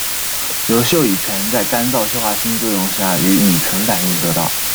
由溴乙醛在干燥溴化氢作用下与乙醇反应得到。